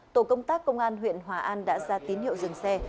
tổ công tác công an huyện hòa an đã ra tín hiệu dừng xe